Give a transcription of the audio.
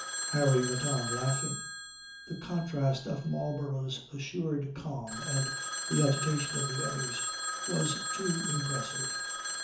Harry went on laughing. The contrast of Marlborough's assured calm and the agitation of the others was too impressive.